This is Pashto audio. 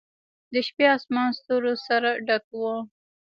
د شپې آسمان ستورو سره ډک و.